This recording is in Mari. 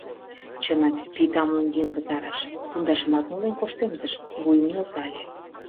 Чынак, пий тамлен йӱын пытарыш, пундашымат нулен коштемдыш, вуйым нӧлтале.